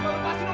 pak bawa sini